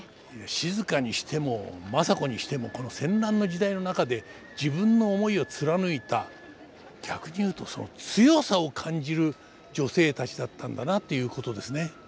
静にしても政子にしてもこの戦乱の時代の中で自分の思いを貫いた逆に言うとその強さを感じる女性たちだったんだなっていうことですね。